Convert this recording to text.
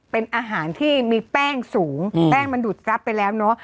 เป็นอาหารที่มีแป้งสูงแป้งมันดูดกรับไปแล้วเนอะ